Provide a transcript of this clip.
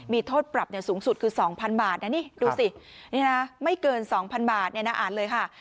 มีโทษปรับสูงสุดคือ๒๐๐๐บาทนี่ดูสิไม่เกิน๒๐๐๐บาทอ่านเลยค่ะ